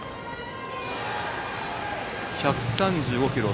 １３５キロ